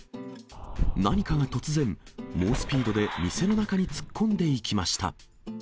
何かが突然、猛スピードで店の中に突っ込んでいきました。